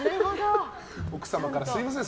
奥様からすみません